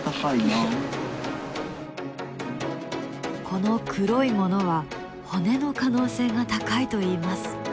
この黒いものは骨の可能性が高いといいます。